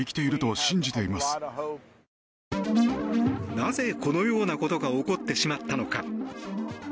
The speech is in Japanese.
なぜこのようなことが起こってしまったのか。